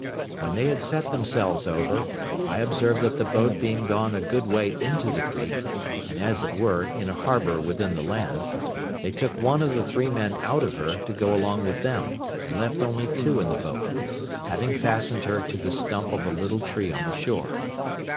When they had set themselves over, I observed that the boat being gone a good way into the creek, and, as it were, in a harbour within the land, they took one of the three men out of her, to go along with them, and left only two in the boat, having fastened her to the stump of a little tree on the shore.